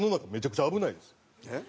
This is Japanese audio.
えっ？